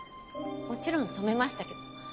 もちろん止めましたけど。